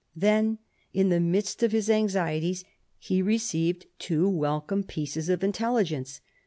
Then in the midst of his anxieties he received two welcome pieces of intelligence.